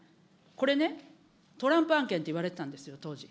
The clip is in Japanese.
これね、トランプ案件といわれてたんですよ、当時。